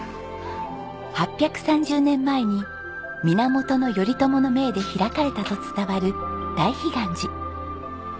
８３０年前に源頼朝の命で開かれたと伝わる大悲願寺。